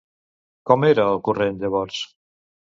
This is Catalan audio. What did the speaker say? Com era el corrent llavors?